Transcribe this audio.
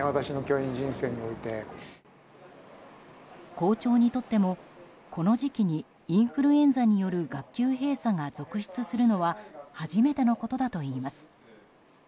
校長にとってもこの時期にインフルエンザによる学級閉鎖が続出するのは初めてのことだといいます。